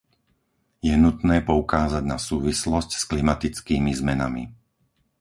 Je nutné poukázať na súvislosť s klimatickými zmenami.